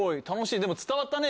でも伝わったね